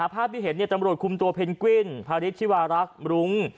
ภาพที่เห็นตำรวจคุมตัวเพนกวินพาริชชิวารักษ์รุ้ง